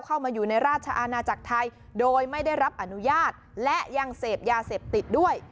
เข้ามาอยู่ในราชอาณาจักรไทยโดยไม่ได้รับอนุญาตและยังเสพยาเสพติดด้วย